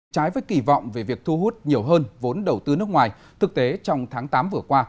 trái với kỳ vọng về việc thu hút nhiều hơn vốn đầu tư nước ngoài thực tế trong tháng tám vừa qua